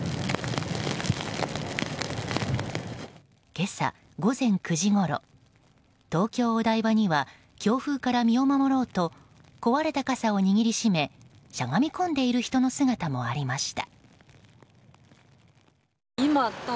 今朝午前９時ごろ東京・お台場には強風から身を守ろうと壊れた傘を握り締めしゃがみ込んでいる人の姿もありました。